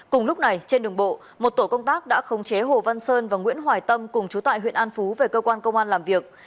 cùng lúc này trên đường bộ một tổ công tác đã khống chế hồ văn sơn và nguyễn hoài tâm cùng chú tại huyện an phú về cơ quan công an làm việc